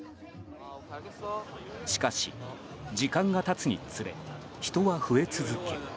しかし、時間が経つにつれ人は増え続け